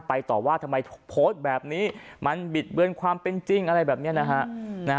ต่อว่าทำไมโพสต์แบบนี้มันบิดเบือนความเป็นจริงอะไรแบบนี้นะฮะ